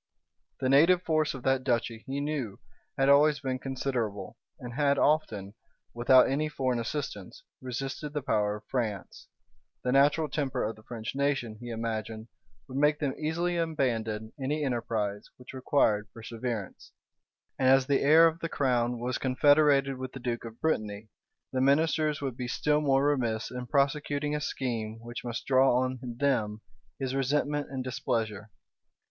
The native force of that duchy, he knew, had always been considerable, and had often, without any foreign assistance, resisted the power of France; the natural temper of the French nation, he imagined, would make them easily abandon any enterprise which required perseverance; and as the heir of the crown was confederated with the duke of Brittany, the ministers would be still more remiss in prosecuting a scheme which must draw on them his resentment and displeasure.